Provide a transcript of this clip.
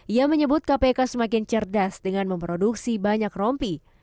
ia menyebut kpk semakin cerdas dengan memproduksi banyak rompi